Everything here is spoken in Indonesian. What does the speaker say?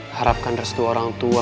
harapkan restu orang tua